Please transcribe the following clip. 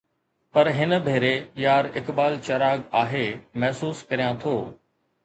پر هن ڀيري يار اقبال چراغ آهي، محسوس ڪريان ٿو